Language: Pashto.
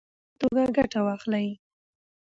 له ټکنالوژۍ په سمه توګه ګټه واخلئ.